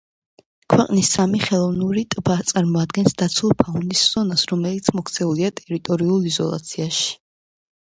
ქვეყნის სამი ხელოვნური ტბა წარმოადგენს დაცულ ფაუნის ზონას, რომელიც მოქცეულია ტერიტორიულ იზოლაციაში.